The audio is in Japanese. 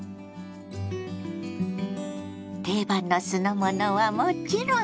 定番の酢の物はもちろん！